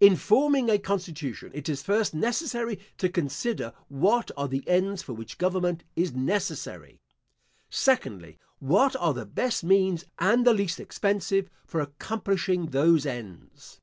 In forming a constitution, it is first necessary to consider what are the ends for which government is necessary? Secondly, what are the best means, and the least expensive, for accomplishing those ends?